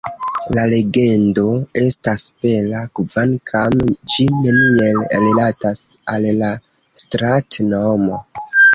La legendo estas bela, kvankam ĝi neniel rilatas al la strat-nomo.